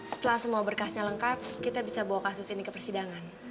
setelah semua berkasnya lengkap kita bisa bawa kasus ini ke persidangan